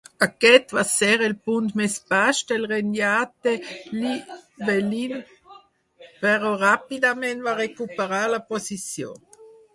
Aquest va ser el punt més baix del regnat de Llywelyn, però ràpidament va recuperar la posició.